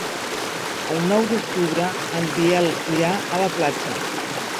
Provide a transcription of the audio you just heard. El nou d'octubre en Biel irà a la platja.